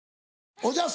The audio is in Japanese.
おじゃす！